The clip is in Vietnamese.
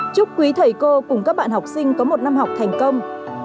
chúc quý thầy cô cùng các bạn học sinh có một năm học thành công